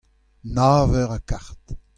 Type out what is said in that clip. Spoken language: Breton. Nav eur ha kard.